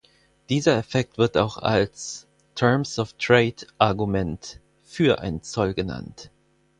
Dieser Effekt wird auch als „Terms-of-Trade-Argument“ für einen Zoll genannt.